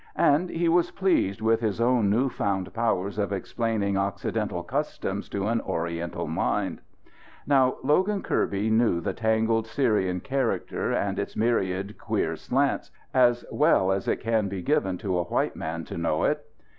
And he was pleased with his own new found powers of explaining Occidental customs to an Oriental mind. Now, Logan Kirby knew the tangled Syrian character and its myriad queer slants, as well as it can be given to a white man to know it.